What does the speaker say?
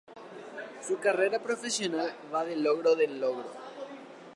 Su carrera profesional va de logro en logro.